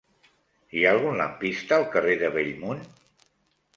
Hi ha algun lampista al carrer de Bellmunt?